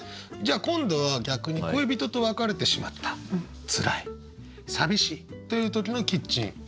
じゃあ今度は逆に恋人と別れてしまったつらい寂しいという時のキッチン。